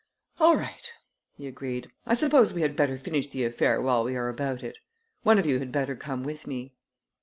"All right!" he agreed. "I suppose we had better finish the affair while we are about it. One of you had better come with me."